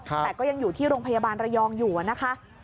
แต่ก็ยังอยู่ที่โรงพยาบาลระยองอยู่นะคะ